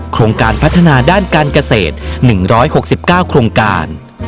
โครงการพัฒนาด้านการเกษตร๑๖๙โครงการ